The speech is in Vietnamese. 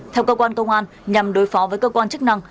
theo cơ quan công an nhằm đối phó với cơ quan chức năng